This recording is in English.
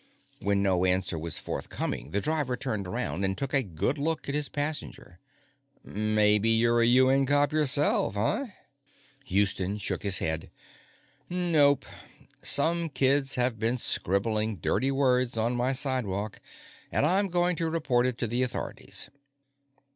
When no answer was forthcoming, the driver turned around and took a good look at his passenger. "Maybe you're a UN cop yourself, huh?" Houston shook his head. "Nope. Some kids have been scribbling dirty words on my sidewalk, and I'm going to report it to the authorities."